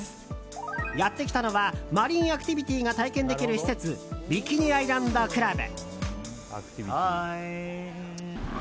やってきたのはマリンアクティビティーが体験できる施設ビキニアイランドクラブ。